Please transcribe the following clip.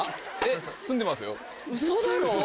ウソだろ。